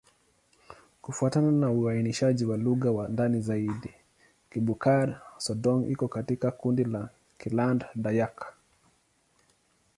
Kufuatana na uainishaji wa lugha kwa ndani zaidi, Kibukar-Sadong iko katika kundi la Kiland-Dayak.